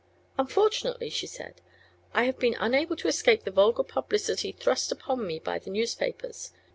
"Unfortunately," she said, "I have been unable to escape the vulgar publicity thrust upon me by the newspapers.